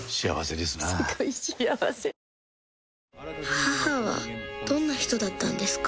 母はどんな人だったんですか？